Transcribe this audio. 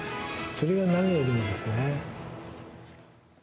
それが何よりもですね。